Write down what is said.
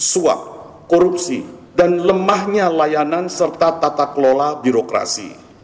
suap korupsi dan lemahnya layanan serta tata kelola birokrasi